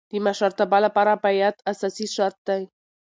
د مشرتابه له پاره بیعت اساسي شرط دئ.